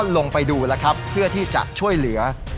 ลงไปดูเพื่อเพื่อจัดช่วยเหลือ